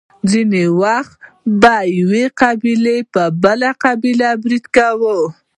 ځینې وخت به یوې قبیلې په بله قبیله برید کاوه.